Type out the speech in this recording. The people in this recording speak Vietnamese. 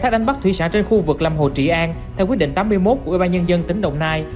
thác đánh bắt thủy sản trên khu vực lòng hồ trị an theo quyết định tám mươi một của ủy ban nhân dân tỉnh đồng nai